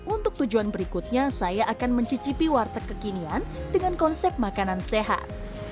untuk tujuan berikutnya saya akan mencicipi warteg kekinian dengan konsep makanan sehat